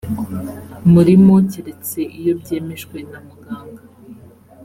murimo keretse iyo byemejwe na muganga